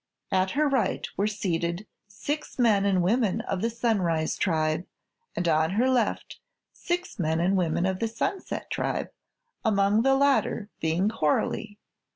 At her right were seated six men and women of the Sunrise Tribe and on her left six men and women of the Sunset Tribe, among the latter being Coralie.